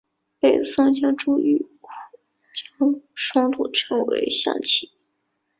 北宋朱彧将双陆称为象棋。